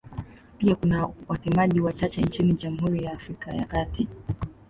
Pia kuna wasemaji wachache nchini Jamhuri ya Afrika ya Kati.